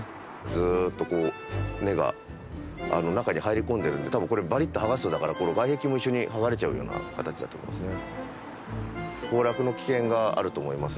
ずーっとこう根が中に入り込んでるので多分これバリッと剥がすとだからこの外壁も一緒に剥がれちゃうような形だと思いますね。